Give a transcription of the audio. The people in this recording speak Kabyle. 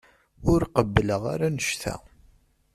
Ur qebbleɣ ara annect-a.